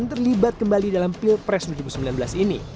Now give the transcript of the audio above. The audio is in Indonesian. yang terlibat kembali dalam pilpres dua ribu sembilan belas ini